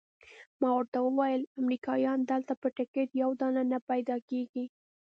ما ورته وویل امریکایان دلته په ټکټ یو دانه نه پیدا کیږي.